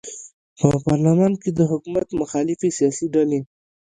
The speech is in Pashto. په پارلمان کې د حکومت مخالفې سیاسي ډلې